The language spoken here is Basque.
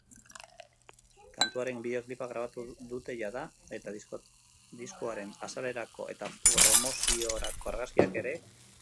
Kantuaren bideoklipa grabatu dutejada eta diskoaren azalerako eta pormoziorako argazkiak ere atera dituzte.